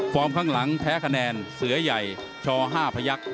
ฟอร์มข้างหลังแพ้คะแนนเสือใหญ่ช่อ๕พระยักษณ์